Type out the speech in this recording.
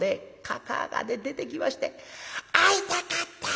かかあがね出てきまして『会いたかった！』